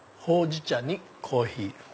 ほうじ茶にコーヒー。